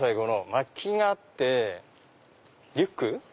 薪があってリュック。